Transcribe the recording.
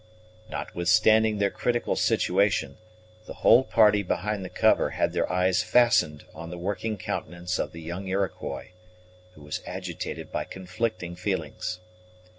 Notwithstanding their critical situation, the whole party behind the cover had their eyes fastened on the working countenance of the young Iroquois, who was agitated by conflicting feelings.